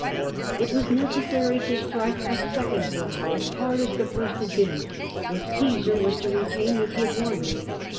It was necessary to strike a second blow, as hard as the first had boon, if Omsar was to retain what he had won.